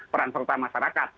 peran serta masyarakat